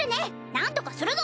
なんとかするぞ！